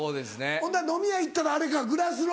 ほんなら飲み屋行ったらあれかグラスの。